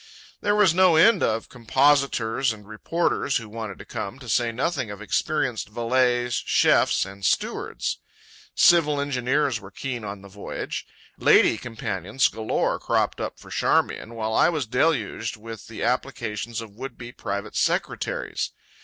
There was no end of compositors and reporters who wanted to come, to say nothing of experienced valets, chefs, and stewards. Civil engineers were keen on the voyage; "lady" companions galore cropped up for Charmian; while I was deluged with the applications of would be private secretaries.